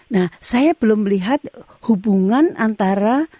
nah saya belum melihat hubungan antara